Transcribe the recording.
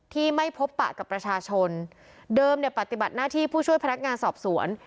ที่ไม่พบปะกับประชาชนเดิมเนี่ยปฏิบัติหน้าที่ผู้ช่วยพนักงานสอบสวน